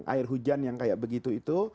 air hujan yang kayak begitu itu